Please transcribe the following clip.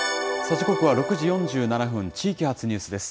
時刻は６時４７分、地域発ニュースです。